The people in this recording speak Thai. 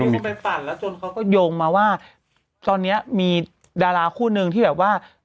ที่ไปปั่นแล้วจนเขาก็โยงมาว่าตอนนี้มีดาราคู่นึงที่แบบว่า